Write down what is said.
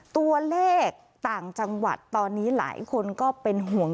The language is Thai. ตัวเลขต่างจังหวัดตอนนี้หลายคนก็เป็นห่วง